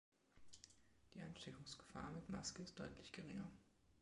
Die Ansteckungsgefahr mit Maske ist deutlich geringer.